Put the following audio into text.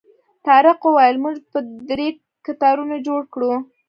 طارق وویل موږ به درې کتارونه جوړ کړو.